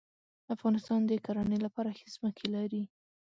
افغانستان د کرهڼې لپاره ښې ځمکې لري.